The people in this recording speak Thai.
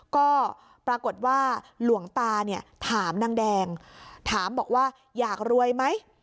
ก็ปรากฏว่าหลวงตาเนี่ยถามนางแดงถามบอกว่าอยากรวยไหม